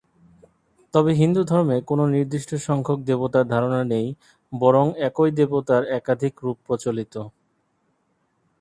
তবে হিন্দুধর্মে কোনও নির্দিষ্ট-সংখ্যক দেবতার ধারণা নেই, বরং একই দেবতার একাধিক রূপ প্রচলিত।